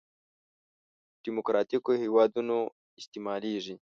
دیموکراتیکو هېوادونو استعمالېږي.